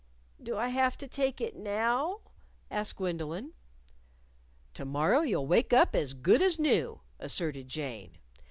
"Do I have to take it now?" asked Gwendolyn. "To morrow you'll wake up as good as new," asserted Jane.